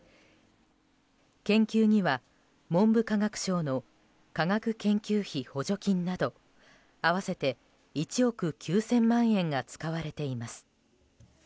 研究には文部科学省の科学研究費補助金など合わせて１億９０００万円が使われています。